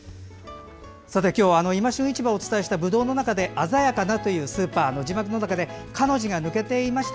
今日は「いま旬市場」をお伝えしたぶどうの中で鮮やかなという字幕の中で「か」の字が抜けていました。